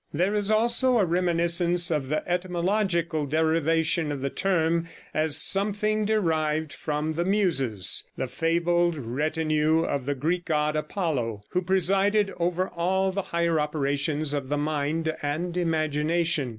There is also a reminiscence of the etymological derivation of the term, as something derived from the "Muses," the fabled retinue of the Greek god Apollo, who presided over all the higher operations of the mind and imagination.